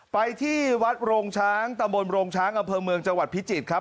ไปที่วัดโรงช้างตะบนโรงช้างอำเภอเมืองจังหวัดพิจิตรครับ